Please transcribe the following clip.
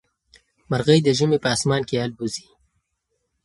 مرغۍ د ژمي په اسمان کې الوزي.